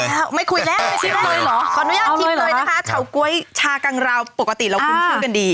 ขออนุญาตทีมเลยนะคะเช่าก๊วยชากังราวปกติเราคุณชื่อกันดี